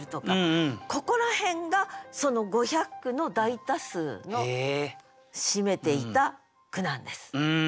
ここら辺が５００句の大多数を占めていた句なんです。